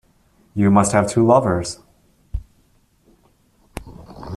You must have two lovers!